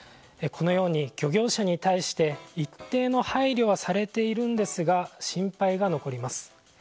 このように、漁業者に対して一定の配慮はされているんですが心配が残ります。